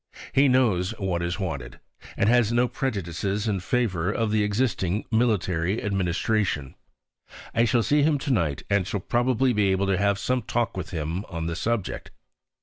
He knows what is wanted, and has no prejudices in favour of the existing military administration. I shall see him to night and shall probably be able to have some talk with him on the subject.